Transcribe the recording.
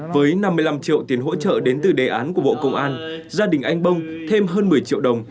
với năm mươi năm triệu tiền hỗ trợ đến từ đề án của bộ công an gia đình anh bông thêm hơn một mươi triệu đồng